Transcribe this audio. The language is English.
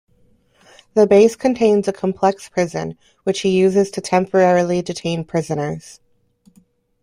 The base contains a complex prison, which he uses to temporarily detain prisoners.